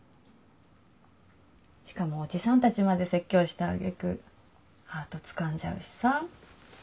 しかもおじさんたちまで説教した揚げ句ハートつかんじゃうしさ。